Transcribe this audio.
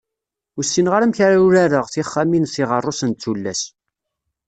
Ur ssineɣ ara amek ara urareɣ tixxamin s yiɣerrusen d tullas